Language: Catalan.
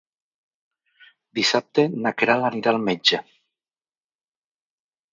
Dissabte na Queralt anirà al metge.